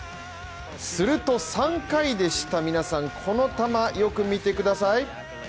すると３回でした、この球、よく見てください。